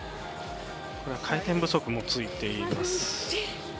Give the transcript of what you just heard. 回転不足もついています。